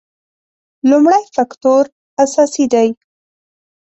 لومړی فکټور اساسي دی.